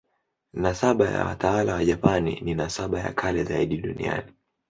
Nasaba ya watawala wa Japani ni nasaba ya kale zaidi duniani.